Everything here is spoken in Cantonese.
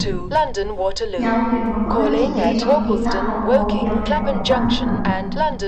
有段我覺得自己總結得好好要喺度分享